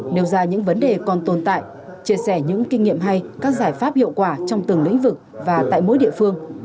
nêu ra những vấn đề còn tồn tại chia sẻ những kinh nghiệm hay các giải pháp hiệu quả trong từng lĩnh vực và tại mỗi địa phương